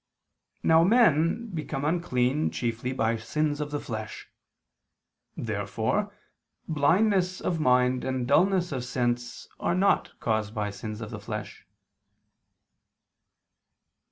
Now men become unclean chiefly by sins of the flesh. Therefore blindness of mind and dulness of sense are not caused by sins of the flesh.